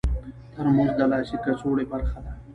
ترموز د لاسي کڅوړې برخه ده.